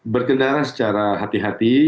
berkendara secara hati hati